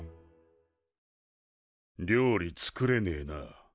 料理作れねえな。